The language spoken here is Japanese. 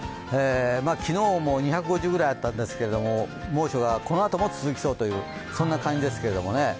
昨日も２５０くらいあったんですけど猛暑がこのあとも続きそうという感じですけどね。